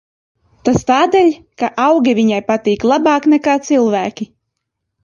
Tas tādēļ, ka augi viņai patīk labāk nekā cilvēki.